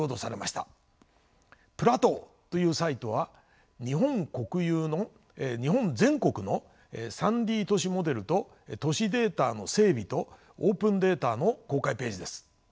ＰＬＡＴＥＡＵというサイトは日本全国の３Ｄ都市モデルと都市データの整備とオープンデータの公開ページです。